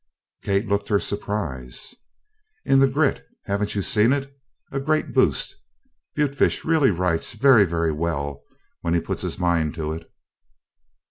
Kate looked her surprise. "In the Grit haven't you seen it? A great boost! Butefish really writes vurry, vurry well when he puts his mind to it."